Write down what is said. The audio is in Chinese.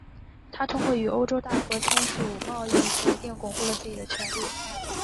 他通过与欧洲大国签署贸易协定巩固了自己的权力。